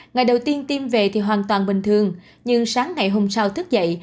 ngày đầu tiên tiêm về thì hoàn toàn bình thường nhưng sáng ngày hôm sau thức dậy